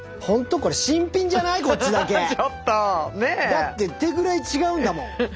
だってってぐらい違うんだもん。